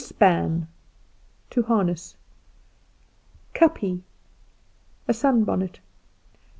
Inspan To harness. Kapje A sun bonnet.